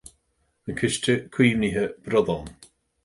An Ciste Caomhnaithe Bradán.